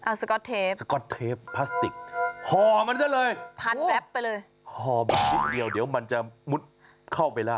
เอาสก๊อตเทปพลาสติกห่อมันได้เลยห่อมันนิดเดียวเดี๋ยวมันจะมดเข้าไปล่ะ